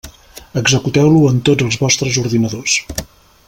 Executeu-lo en tots els vostres ordinadors.